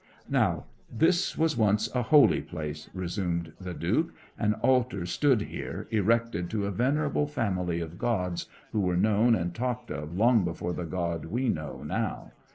'Now, this was once a holy place,' resumed the Duke. 'An altar stood here, erected to a venerable family of gods, who were known and talked of long before the God we know now.